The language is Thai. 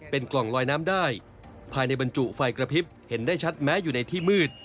เป็นกล่องลอยน้ำได้ภายในบรรจุไฟกระพริบเห็นได้ชัดแม้อยู่ในที่มืด